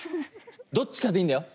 どっちかでいいんだよ